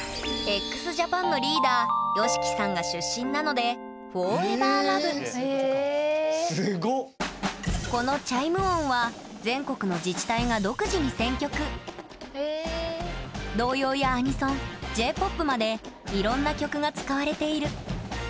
ＸＪＡＰＡＮのリーダーＹＯＳＨＩＫＩさんが出身なのでこのチャイム音は全国の自治体が独自に選曲童謡やアニソンＪーＰＯＰまでいろんな曲が使われている。